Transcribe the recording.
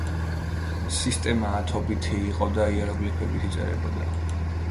სისტემა ათობითი იყო და იეროგლიფებით იწერებოდა.